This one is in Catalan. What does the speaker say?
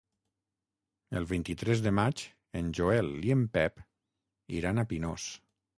El vint-i-tres de maig en Joel i en Pep iran a Pinós.